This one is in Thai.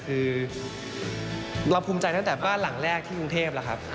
คือเราภูมิใจตั้งแต่บ้านหลังแรกที่กรุงเทพแล้วครับ